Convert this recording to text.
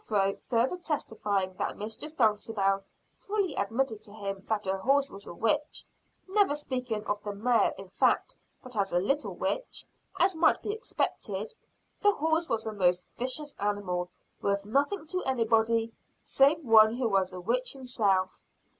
] Jethro further testified that Mistress Dulcibel freely admitted to him that her horse was a witch; never speaking of the mare in fact but as a "little witch." As might be expected, the horse was a most vicious animal, worth nothing to anybody save one who was a witch himself.